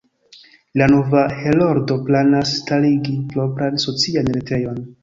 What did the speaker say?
La nova Heroldo planas starigi propran socian retejon.